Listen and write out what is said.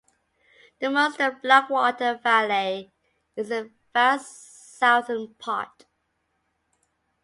The Munster Blackwater valley is the Vale's southern part.